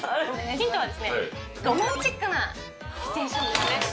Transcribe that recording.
ヒントは、ロマンチックなシチュエーションですね。